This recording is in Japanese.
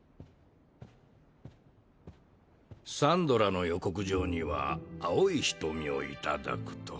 サンドラの予告状には「青い瞳を頂く」と。